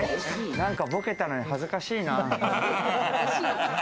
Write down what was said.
なんかボケたのに恥ずかしいな。